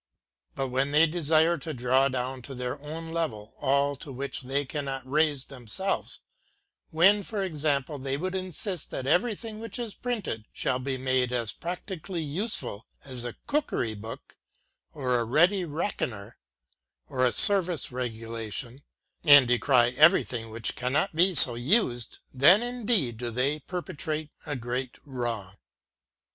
But when they desire to draw down to their own level all to which they cannot raise themselves ;— when, for example, they would insist that everything which is printed should be made as practically useful as a cookery book, or a ready reckoner, or a service regulation, arid decry everything which cannot so be used, — then indeed do they perpetrate a great wrong.